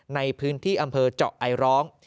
ในพื้นที่อำเภอเจาะไอร้อง